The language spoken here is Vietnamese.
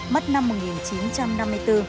mất năm một nghìn chín trăm năm mươi bốn